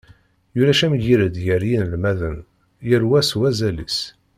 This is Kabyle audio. Ulac amgired gar yinelmaden, yal wa s wazal-is.